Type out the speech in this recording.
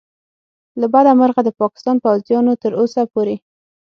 له بده مرغه د پاکستان پوځیانو تر اوسه پورې